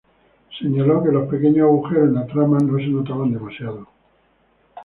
Señaló que los pequeños agujeros en la trama no se notaban demasiado.